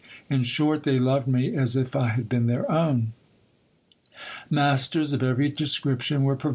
In short, they loved me as if I had been their own. Masters of every description were pro 158 GIL BLAS.